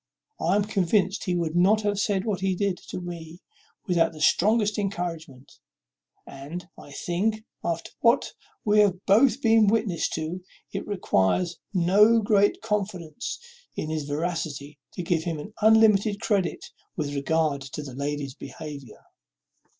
I am convinced he would not have said what he did to me without the strongest encouragement; and, I think, after what we have been both witnesses to, it requires no great confidence in his veracity to give him an unlimited credit with regard to the lady's behaviour."